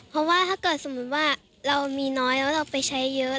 เพราะว่าถ้าเกิดสมมุติว่าเรามีน้อยแล้วเราไปใช้เยอะ